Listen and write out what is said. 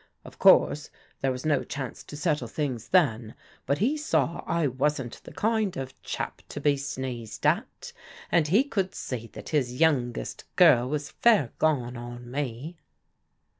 Of course there was no chance to settle things then, but he saw I wasn't the kind of chap to be sneezed at, and he could see that his youngest girl was fair gone on me."